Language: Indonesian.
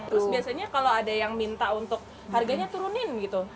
terus biasanya kalau ada yang minta untuk harganya turunin gitu